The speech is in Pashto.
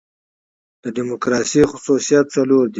د ډیموکراسۍ خصوصیات څلور دي.